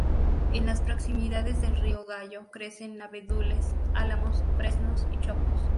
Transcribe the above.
En las proximidades del río Gallo crecen abedules, álamos, fresnos y chopos.